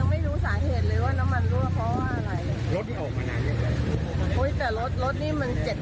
ยังไม่รู้สาเหตุเลยว่าน้ำมันรั่วเพราะว่าอะไร